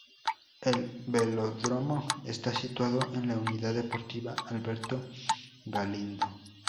El velódromo está situado en la Unidad Deportiva Alberto Galindo.